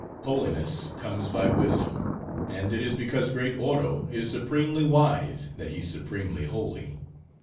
Holiness comes by wisdom; and it is because great Oro is supremely wise, that He's supremely holy.